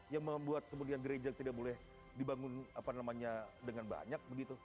yang membuat kemudian gereja tidak boleh dibangun apa namanya dengan banyak begitu